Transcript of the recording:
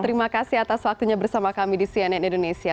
terima kasih atas waktunya bersama kami di cnn indonesia